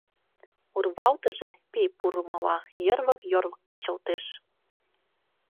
Урвалтыже, пий пурмыла, йырвык-йорвык кечылтеш.